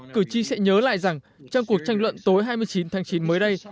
cử tri sẽ nhớ lại rằng trong cuộc tranh luận tối hai mươi chín tháng chín mới đây